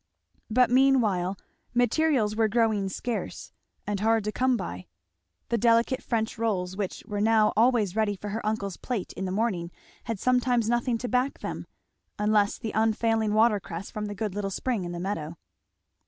But meanwhile materials were growing scarce and hard to come by. The delicate French rolls which were now always ready for her uncle's plate in the morning had sometimes nothing to back them, unless the unfailing water cress from the good little spring in the meadow.